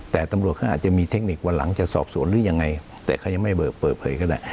แต่ตำรวจเขาอาจจะมีเทคนิควันหลังจะสอบสวนหรือยังไงแต่เขายังไม่เบิกเปิดเผยก็ได้